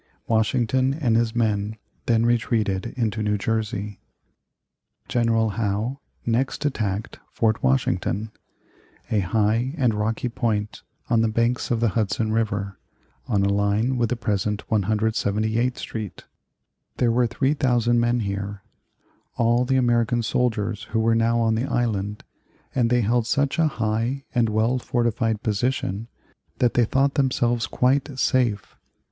Washington and his men then retreated into New Jersey. General Howe next attacked Fort Washington, a high and rocky point on the banks of the Hudson River (on a line with the present 178th Street). There were 3,000 men here, all the American soldiers who were now on the island, and they held such a high and well fortified position that they thought themselves quite safe.